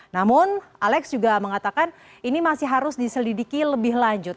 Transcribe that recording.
namun alex juga mengatakan ini masih harus diselidiki lebih lanjut